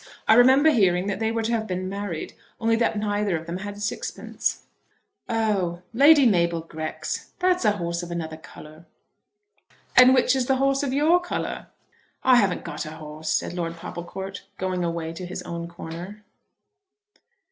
I remember hearing that they were to have been married, only that neither of them had sixpence." "Oh Lady Mabel Grex! That's a horse of another colour." "And which is the horse of your colour?" "I haven't got a horse," said Lord Popplecourt, going away to his own corner.